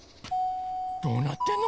どうなってんの？